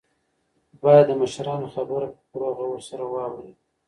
باید د مشرانو خبره په پوره غور سره واورئ.